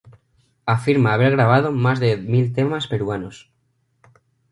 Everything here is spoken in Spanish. Afirmaba haber grabado más de mil temas peruanos.